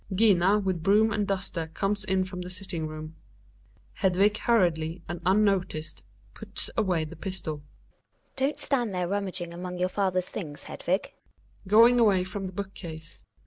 GiNA with broom and duster comes in from the sitting room. Hedvig hurriedly and unnoticed puts away the pistol. GiNA. Don't stand there rumaging among your father's things, Hedvig. TUB WILD DUCK. 125 Hedvio (going away from the book case).